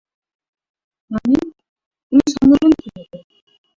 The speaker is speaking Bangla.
মানে, উনি সামলাবে কীভাবে?